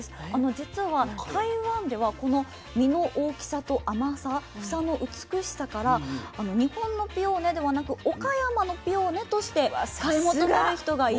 じつは台湾ではこの実の大きさと甘さ房の美しさから日本のピオーネではなく岡山のピオーネとして買い求める人がいるほど。